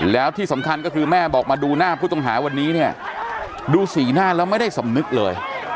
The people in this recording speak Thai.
แล้วที่สำคัญก็คือแม่บอกมาดูหน้าผู้ต้องหาวันนี้เนี่ยดูสีหน้าแล้วไม่ได้สำนึกเลย